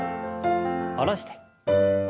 下ろして。